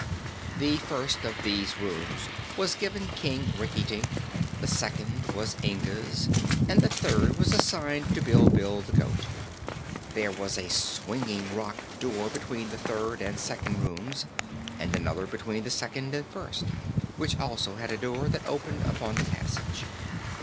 The first of these rooms was given King Rinkitink, the second was Inga's and the third was assigned to Bilbil the goat. There was a swinging rock door between the third and second rooms and another between the second and first, which also had a door that opened upon the passage.